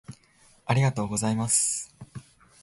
「ありがとうございます」